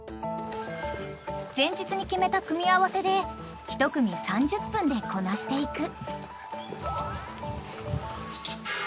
［前日に決めた組み合わせで１組３０分でこなしていく］